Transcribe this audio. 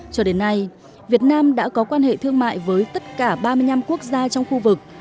cho đến nay việt nam đã có quan hệ thương mại với tất cả ba mươi năm quốc gia trong khu vực